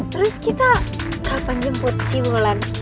terus kita kapan jemput si wulan